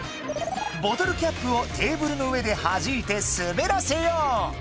ボトルキャップをテーブルの上ではじいて滑らせよう。